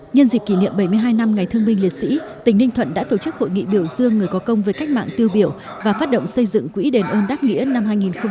nhân dịp kỷ niệm bảy mươi hai năm ngày thương binh liệt sĩ tỉnh ninh thuận đã tổ chức hội nghị biểu dương người có công với cách mạng tiêu biểu và phát động xây dựng quỹ đền ơn đáp nghĩa năm hai nghìn hai mươi